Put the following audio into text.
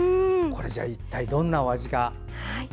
一体どんなお味か。